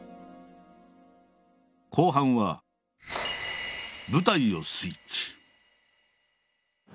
後半は舞台をスイッチ。